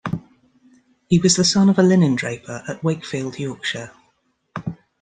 He was the son of a linen-draper at Wakefield, Yorkshire.